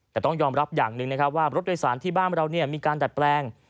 แต่ต้องยอมรับอย่างหนึ่งนะครับว่ารถโดยสารที่บ้านเรามีการดัดแปลง